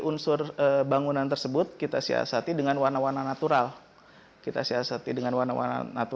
unsur bangunan tersebut kita siasati dengan warna warna natural kita siasati dengan warna warna